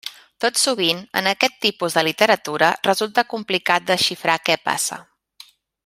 Tot sovint, en aquest tipus de literatura, resulta complicat desxifrar què passa.